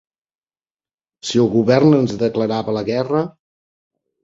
Si el Govern ens declarava la guerra...